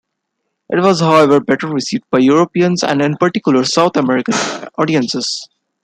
It was however better received by Europeans and in particular, South American audiences.